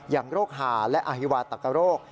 อย่างโรคหาและอฮิวาตกโรค